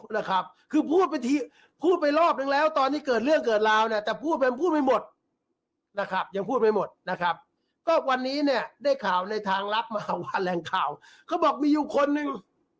นะครับคือพูดไปทีพูดไปรอบนึงแล้วตอนที่เกิดเรื่องเกิดราวเนี่ยแต่พูดเป็นพูดไม่หมดนะครับยังพูดไม่หมดนะครับก็วันนี้เนี่ยได้ข่าวในทางลับมหาว่าแหล่งข่าวเขาบอกมีอยู่คนหนึ่ง